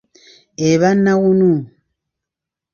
Eba nawunu.